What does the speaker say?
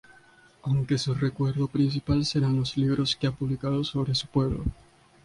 Aunque su recuerdo principal serán los libros que ha publicado sobre su pueblo.